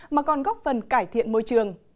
mà còn góp phần cải thiện môi trường